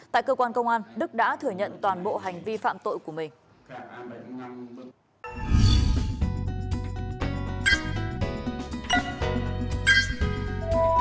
tại cơ quan công an đức đã thừa nhận toàn bộ hành vi phạm tội của mình